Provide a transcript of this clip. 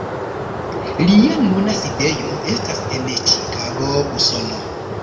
Lia nuna sidejo estas en Ĉikago, Usono.